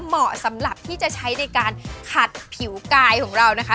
เหมาะสำหรับที่จะใช้ในการขัดผิวกายของเรานะคะ